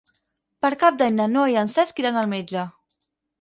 Per Cap d'Any na Noa i en Cesc iran al metge.